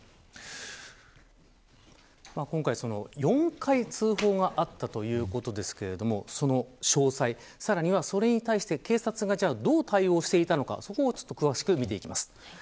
今回、４回通報があったということですがその詳細、さらにはそれに対して警察がどう対応していたのか詳しく見ていきます。